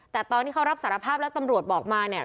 แต่ตอนที่เขารับสารภาพแล้วตำรวจบอกมาเนี่ย